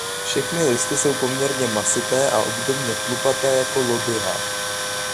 Všechny listy jsou poměrně masité a obdobně chlupaté jako lodyha.